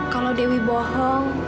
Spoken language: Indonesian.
kalau dewi bohong